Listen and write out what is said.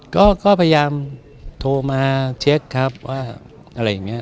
ก็พยายามโทรมาเช็คครับว่าอะไรเนั้น